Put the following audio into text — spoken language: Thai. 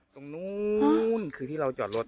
ตรงนู้นคือที่เราจอดรถ